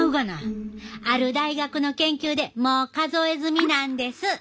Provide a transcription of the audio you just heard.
ある大学の研究でもう数え済みなんです。